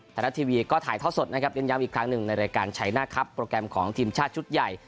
ไทยรัฐทีวีก็ถ่ายทอดสดนะครับเน้นย้ำอีกครั้งหนึ่งในรายการชัยหน้าครับโปรแกรมของทีมชาติชุดใหญ่